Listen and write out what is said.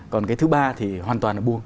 còn cái thứ ba thì hoàn toàn là buông